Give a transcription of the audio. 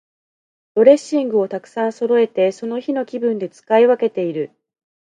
ドレッシングをたくさんそろえて、その日の気分で使い分けている。